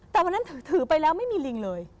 แต่วันนั้นถือไปแล้วไม่มีลิงเลย